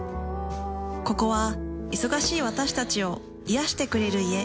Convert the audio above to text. ここは忙しい私たちを癒してくれる家。